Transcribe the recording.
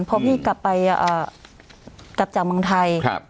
พอพี่กลับไปกลับจากเมืองไทย